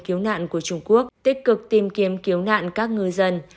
cứu nạn của trung quốc tích cực tìm kiếm cứu nạn các ngư dân